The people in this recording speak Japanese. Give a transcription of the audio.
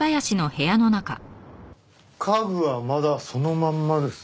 家具はまだそのまんまですね。